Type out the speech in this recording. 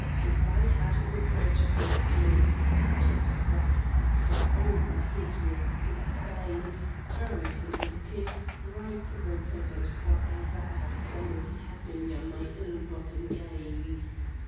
If I had the courage of my feelings, I would have cracked Edgar over head with the spade, buried him in the pit, bribed Rupert, and forever after lived happily on my ill gotten gains.